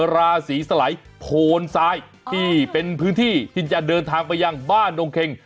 ราศีสลัยโพนซ้ายที่เป็นพื้นที่ที่จะเดินทางไปยังบ้านดงเค็ง